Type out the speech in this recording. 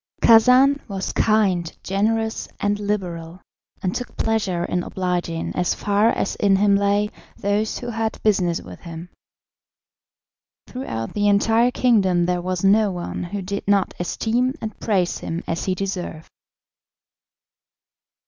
Khacan was kind, generous, and liberal, and took pleasure in obliging, as far as in him lay, those who had business with him. Throughout the entire kingdom there was no one who did not esteem and praise him as he deserved.